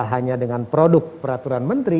hanya dengan produk peraturan menteri